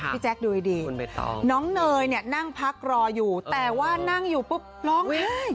พี่แจ๊กดูดีน้องเนยนั่งพักรออยู่แต่ว่านั่งอยู่ปุ๊บร้องไห้